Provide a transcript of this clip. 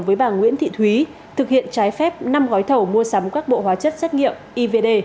với bà nguyễn thị thúy thực hiện trái phép năm gói thầu mua sắm các bộ hóa chất xét nghiệm iv